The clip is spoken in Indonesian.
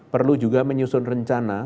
perlu juga menyusun rencana